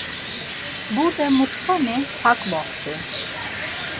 Burde mutxani, ak moxti!